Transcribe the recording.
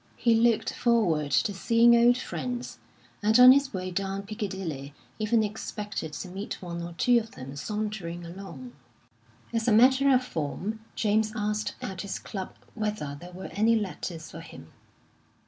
He looked forward to seeing old friends, and on his way down Piccadilly even expected to meet one or two of them sauntering along. As a matter of form, James asked at his club whether there were any letters for him.